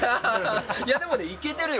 いや、でもね、イケてるよ。